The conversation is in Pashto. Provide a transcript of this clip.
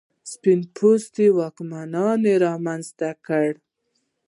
سپین پوستو واکمنانو رامنځته کړ.